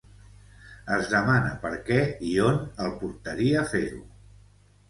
Es demana per què i on el portaria fer-ho.